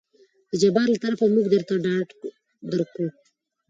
د جبار له طرفه موږ درته ډاډ درکو.